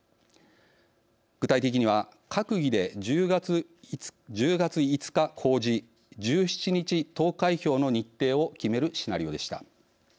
具体的には閣議で１０月５日公示１７日投開票の日程を決めるシナリオでした。